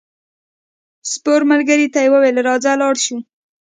سپور ملګري ته وویل راځه لاړ شو.